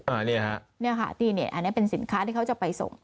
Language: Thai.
อันนี้ฮะเนี่ยค่ะนี่เนี่ยอันนี้เป็นสินค้าที่เขาจะไปส่ง